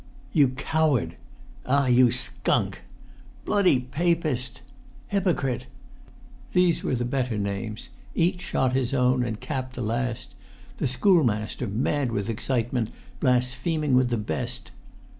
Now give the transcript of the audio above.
"You coward!" "Ah, you skunk!" "Bloody Papist!" "Hypocrite!" They were the better names; each shot his own, and capped the last; the schoolmaster, mad with excitement, blaspheming with the best.